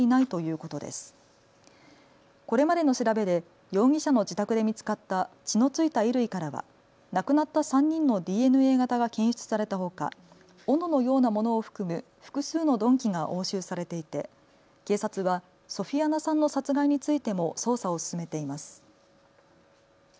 これまでの調べで容疑者の自宅で見つかった血の付いた衣類からは亡くなった３人のＤＮＡ型が検出されたほか、おののようなものを含む複数の鈍器が押収されていて警察はソフィアナさんの殺害についても捜査を進めています。